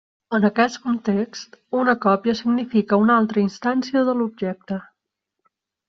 En aquest context, una còpia significa una altra instància de l'objecte.